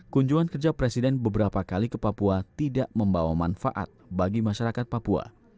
kunjungan kerja presiden beberapa kali ke papua tidak membawa manfaat bagi masyarakat papua